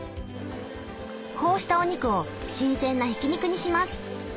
こうしたお肉を新鮮なひき肉にします。